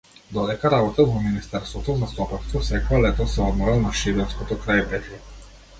Додека работел во министерството за стопанство секое лето се одморал на шибенското крајбрежје.